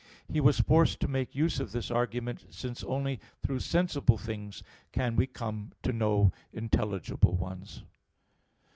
He was forced to make use of this argument, since only through sensible things can we come to know intelligible ones.